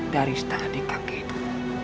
dari setengah dikaki itu